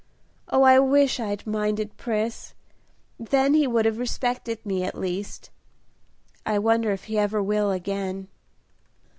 Oh, I wish I'd minded Pris! then he would have respected me, at least; I wonder if he ever will, again?"